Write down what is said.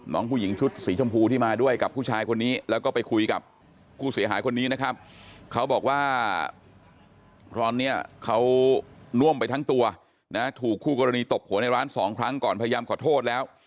นี่เขาน่วมไปทั้งตัวนะฮะถูกคู่กรณีตบหัวในร้านสองครั้งก่อนพยายามขอโทษแล้ว